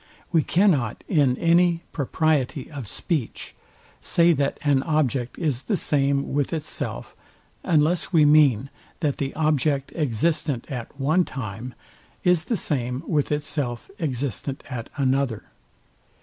We cannot, in any propriety of speech, say, that an object is the same with itself, unless we mean, that the object existent at one time is the same with itself existent at another.